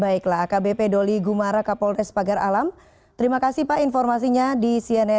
baiklah kbp doli gumara kapolres pagar alam terima kasih pak informasinya di cnn indonesia newsroom selamat sore